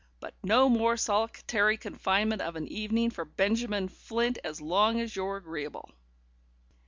But no more solitary confinement of an evening for Benjamin Flint, as long as you're agreeable."